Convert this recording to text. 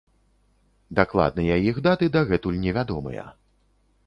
Дакладныя іх даты дагэтуль невядомыя.